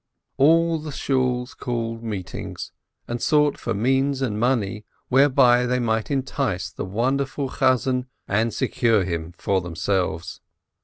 All the Shools called meetings, and sought for means and money whereby they might entice the wonderful cantor and secure him for themselves.